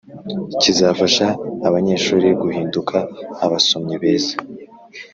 kizafasha abanyeshuri guhinduka abasomyi beza.